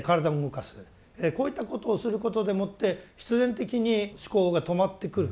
こういったことをすることでもって必然的に思考が止まってくる。